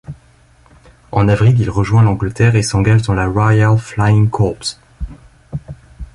En avril il rejoint l'Angleterre et s'engage dans la Royal Flying Corps.